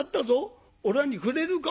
おらにくれるか？」。